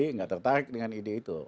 tidak tertarik dengan ide itu